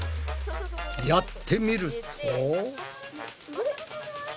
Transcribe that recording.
やってみると。